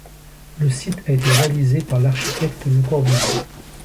Le site a été réalisé par l'architecte Le Corbusier.